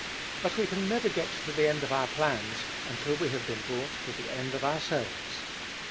But we can never get to the end of our plans until we have been brought to the end of ourselves.